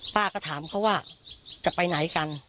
ป้าก็ถามเขาว่าจะไปไหนกัน